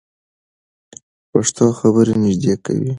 پښتو خبرې نږدې کوي.